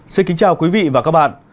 xin kính chào quý vị và các bạn